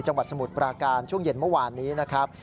สมุทรปราการช่วงเย็นเมื่อวานนี้นะครับ